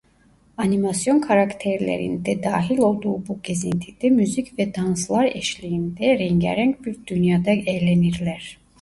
Animasyon karakterlerin de dahil olduğu bu gezintide müzik ve danslar eşliğinde rengarenk bir dünyada eğlenirler.